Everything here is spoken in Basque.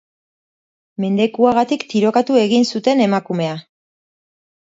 Mendekuagatik tirokatu egin zuten emakumea.